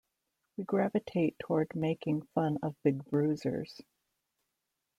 We gravitate toward making fun of big bruisers.